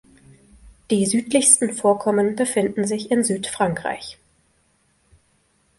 Die südlichsten Vorkommen befinden sich in Südfrankreich.